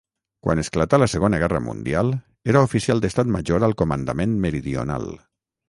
Quan esclatà la Segona Guerra Mundial era oficial d'estat major al Comandament Meridional.